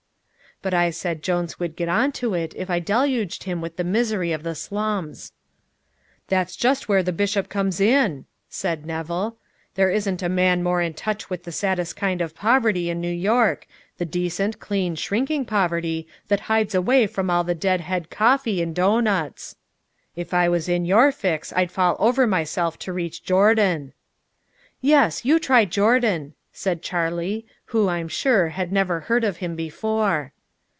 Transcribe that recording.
But I said Jones would get on to it if I deluged him with the misery of the slums. "That's just where the bishop comes in," said Nevill. "There isn't a man more in touch with the saddest kind of poverty in New York the decent, clean, shrinking poverty that hides away from all the dead head coffee and doughnuts. If I was in your fix I'd fall over myself to reach Jordan!" "Yes, you try Jordan," said Charley, who, I'm sure, had never heard of him before.